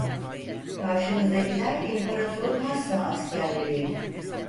Karşımızdakiler İmparator'un hassa askerleriydi.